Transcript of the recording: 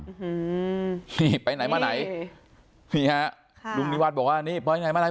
อืมนี่ไปไหนมาไหนนี่ฮะค่ะลุงนิวัฒน์บอกว่านี่ไปไหนมาไห